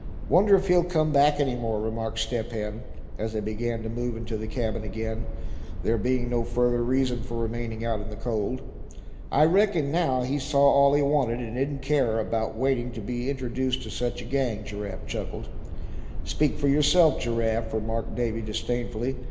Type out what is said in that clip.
"Wonder if he'll come back any more?" remarked Step Hen, as they began to move into the cabin again, there being no further reason for remaining out in the cold. "I reckon now, he saw all he wanted, and didn't care about waiting to be introduced to such a gang," Giraffe chuckled. "Speak for yourself, Giraffe," remarked Davy, disdainfully.